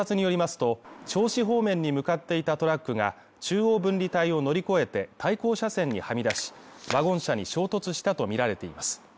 警察によりますと、銚子方面に向かっていたトラックが中央分離帯を乗り越えて対向車線にはみ出し、ワゴン車に衝突したとみられています。